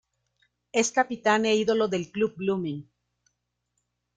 Es capitán e ídolo del Club Blooming.